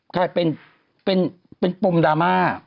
กลายเป็นเป็นปุ่มดราม้า